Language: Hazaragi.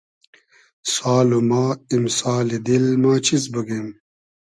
سال و ما ایمسالی دیل ما چیز بوگیم